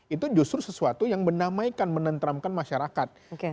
itu justru sesuatu yang menamaikan menenteramkan masyarakat